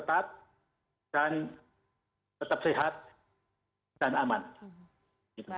dan tetap sehat dan aman